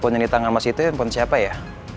pon yang di tangan mas itu pon siapa ya